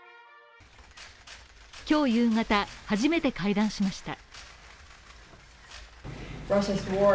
今日夕方、初めて会談しました。